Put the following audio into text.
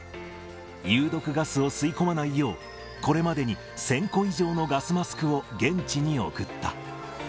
有毒ガスを吸い込まないよう、これまでに１０００個以上のガスマスクを現地に送った。